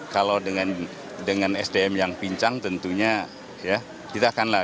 kalau dengan sdm yang pincang tentunya ya kita akan lari